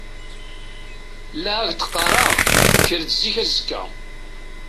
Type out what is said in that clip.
La ak-d-qqareɣ, kker-d zik azekka.